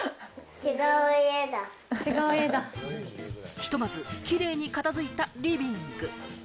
ひとまずキレイに片づいたリビング。